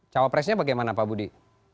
capresnya bagaimana pak budi